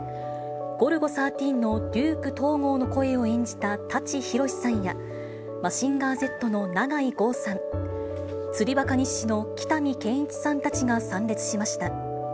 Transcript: ゴルゴ１３のデューク東郷の声を演じた舘ひろしさんや、マジンガーＺの永井豪さん、釣りバカ日誌の北見けんいちさんたちが参列しました。